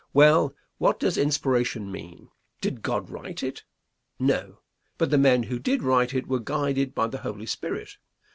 Well, what does inspiration mean? Did God write it? No; but the men who did write it were guided by the Holy Spirit.